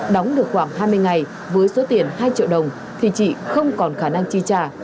đóng được khoảng hai mươi ngày với số tiền hai triệu đồng thì chị không còn khả năng chi trả